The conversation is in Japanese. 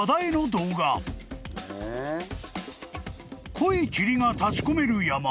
［濃い霧が立ち込める山］